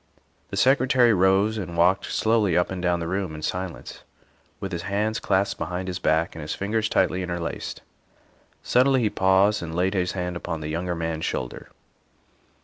The Secretary rose and walked slowly up and down the room in silence, with his hands clasped behind his back and his fingers tightly interlaced. Suddenly he paused and laid his hand upon the younger man's shoulder.